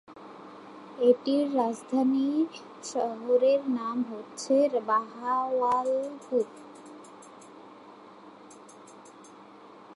এটির রাজধানী শহরের নাম হচ্ছে বাহাওয়ালপুর।